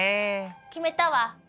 決めたわ。